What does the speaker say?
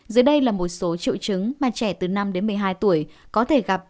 dưới đây là một số triệu chứng mà trẻ từ năm đến một mươi hai tuổi có thể gặp